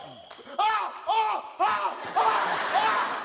あっ！